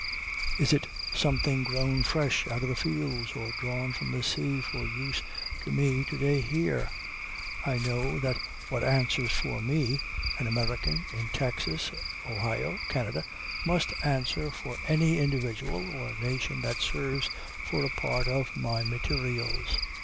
Is it something grown fresh out of the fields, or drawn from the sea for use to me to day here? I know that what answers for me, an American, in Texas, Ohio, Canada, must answer for any individual or nation that serves for a part of my materials.